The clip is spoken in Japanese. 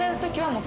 もう。